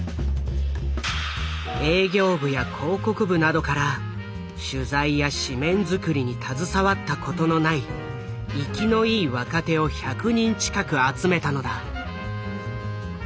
営業部や広告部などから取材や誌面作りに携わったことのない生きのいい若手を１００人近く集めたのだ。